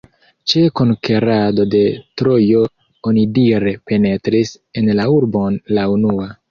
Ĉe konkerado de Trojo onidire penetris en la urbon la unua.